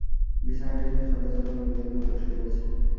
বিছানাটিতে সাদা চাদর মুড়ি দিয়ে একজন লোক শুয়ে আছে।